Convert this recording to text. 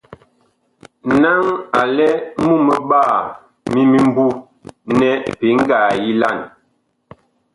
Naŋ a lɛ mumɓaa mi mimbu nɛ bi ngaa yilan.